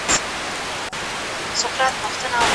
ایډیالوژیک لیدلوري تاریخ ته زیان رسوي.